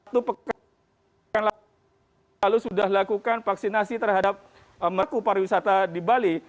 waktu pekerjaan yang lalu sudah lakukan vaksinasi terhadap pelaku pariwisata di bali